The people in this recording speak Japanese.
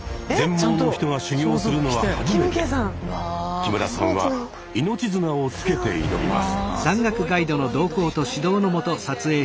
木村さんは命綱をつけて挑みます。